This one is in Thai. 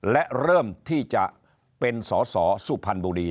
และเริ่มที่จะเป็นสอสอสุพรรณบุรี